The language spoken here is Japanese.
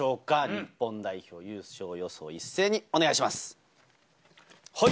日本代表優勝予想、一斉にお願いします。